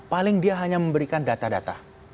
paling dia hanya memberikan data data